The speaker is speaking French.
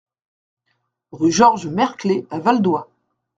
Rue Georges Mercklé à Valdoie